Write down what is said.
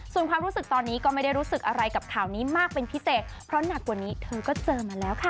ส่วนความรู้สึกตอนนี้ก็ไม่ได้รู้สึกอะไรกับข่าวนี้มากเป็นพิเศษเพราะหนักกว่านี้เธอก็เจอมาแล้วค่ะ